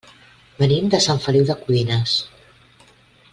Venim de Sant Feliu de Codines.